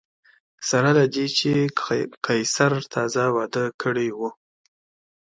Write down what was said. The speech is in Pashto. سره له دې چې قیصر تازه واده کړی و